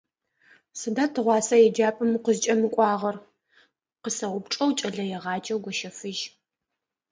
«Сыда тыгъуасэ еджапӀэм укъызкӀэмыкӀуагъэр?», -къысэупчӀыгъ кӀэлэегъаджэу Гощэфыжь.